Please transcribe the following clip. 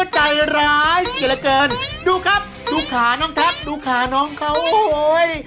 ใจร้ายเสียเหลือเกินดูครับดูขาน้องแท็กดูขาน้องเขาโอ้ย